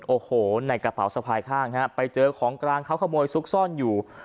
โอ้โหในกระเป๋าสะพายข้างฮะไปเจอของกลางเขาขโมยซุกซ่อนอยู่